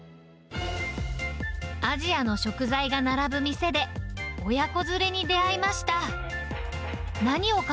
アジアの食材が並ぶ店で、親子連れに出会いました。